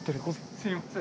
すみません。